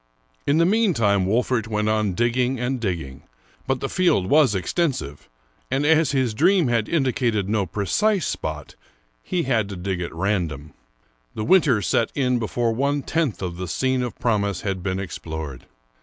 In the meantime Wolfert went on digging and digging; but the field was extensive, and as his dream had indicated no precise spot, he had to dig at random. The winter set in before one tenth of the scene of promise had been explored.